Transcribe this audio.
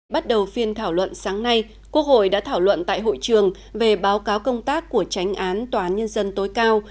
bắt đầu phiên thảo luận sáng nay quốc hội đã thảo luận tại hội trường về báo cáo công tác của tránh án tòa án nhân dân tối cao